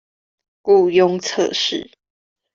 雇用測試